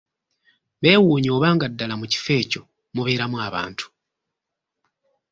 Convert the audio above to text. Bewuunya, oba nga ddala mu kifo ekyo mubeeramu abantu!